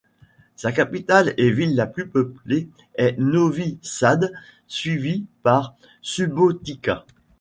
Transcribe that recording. Sa capitale et ville la plus peuplée est Novi Sad, suivie par Subotica.